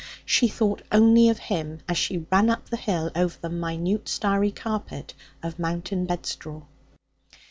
She thought only of him as she ran up the hill over the minute starry carpet of mountain bedstraw.